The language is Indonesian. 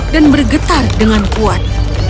dan bergetar dengan kuat